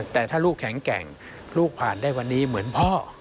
แต่ถ้าลูกแข็งแกร่งลูกผ่านได้วันนี้เหมือนพ่อ